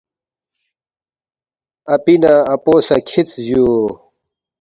“ اپی نہ اپو سہ کِھدس جُو